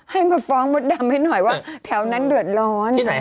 ให้มาฟ้องมดดำให้หน่อยว่าแถวนั้นเดือดร้อน